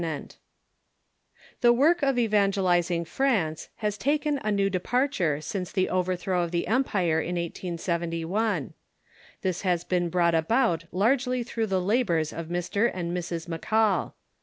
] The work of evangelizing France has taken a new depart ure since the overthrow of the empire in 1871. This has been brought about largely through the labors of Mr. and Mrs. McAll.